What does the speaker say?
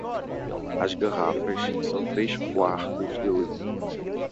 As garrafas são três quartos de litro.